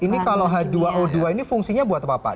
ini kalau h dua o dua ini fungsinya buat apa pak